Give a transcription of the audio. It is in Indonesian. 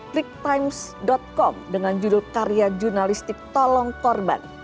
bliktimes com dengan judul karya jurnalistik tolong korban